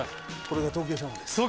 これが東京軍鶏です